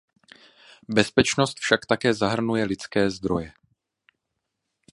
Bezpečnost však také zahrnuje lidské zdroje.